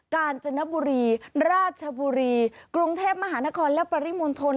กาญจนบุรีราชบุรีกรุงเทพมหานครและปริมณฑล